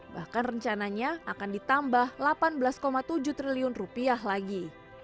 bahkan rencananya akan ditambah delapan belas tujuh triliun rupiah lagi